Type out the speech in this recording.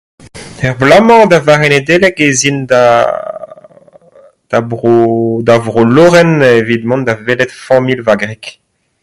Er bloaz-mañ da vare Nedeleg ez in da... da bro. da vro Loren evit mont da welet familh va gwreg.